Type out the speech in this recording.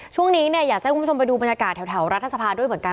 ช่วงนี้เนี่ยอยากจะให้คุณผู้ชมไปดูบรรยากาศแถวรัฐสภาด้วยเหมือนกัน